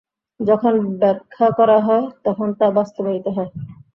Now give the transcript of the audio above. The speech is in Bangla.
যখন ব্যাখ্যা করা হয় তখন তা বাস্তবায়িত হয়।